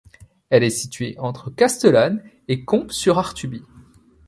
Elle est située entre Castellane et Comps-sur-Artuby.